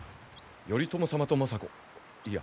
頼朝様と政子いや